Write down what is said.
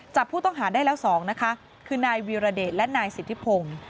จับผู้ต้องหาได้แล้ว๒นะคะคือนายวีรเดชและนายสิทธิพงศ์